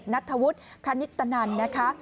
นัทธวุฒิคณิตตนันนะคะ